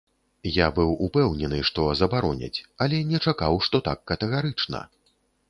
Я быў упэўнены, што забароняць, але не чакаў, што так катэгарычна.